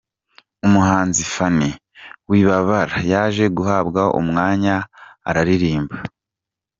Umuhanzikazi Phanny Wibabara yaje guhabwa umwanya araririmba.